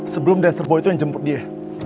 sebelum dancer boy itu yang jemput dia